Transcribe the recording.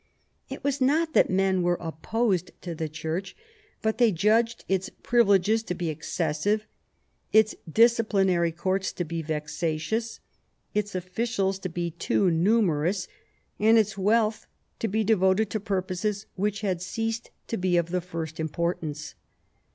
It was not that men were opposed to the Church, but they judged its privileges to be excessive, its disciplinary courts to be vexatious, its officials to be too numerous, and its wealth to be devoted to purposes which had ceased to be of the first importance.